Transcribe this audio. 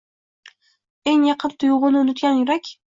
Eng yaqin tuyg’uni unutgan yurak